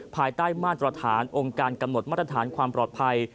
ภายใต้มาตรฐานองค์การกำหนดมาตรฐานความปลอดภัย